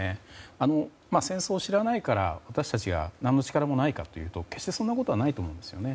戦争を知らないから私たちが何の力もないかというと決してそんなことはないと思いますね。